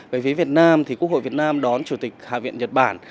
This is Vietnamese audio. về phía việt nam thì quốc hội việt nam đón chủ tịch hạ viện nhật bản